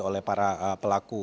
oleh para pelaku